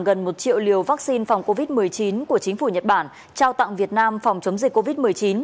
gần một triệu liều vaccine phòng covid một mươi chín của chính phủ nhật bản trao tặng việt nam phòng chống dịch covid một mươi chín